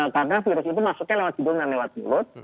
karena virus itu masuknya lewat hidung dan lewat mulut